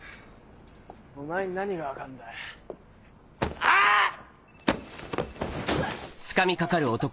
お前に何が分かんだよ